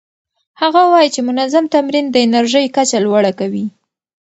هغه وايي چې منظم تمرین د انرژۍ کچه لوړه کوي.